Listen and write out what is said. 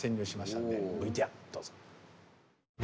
ＶＴＲどうぞ。